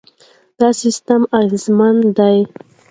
دا سیستم اغېزمن دی.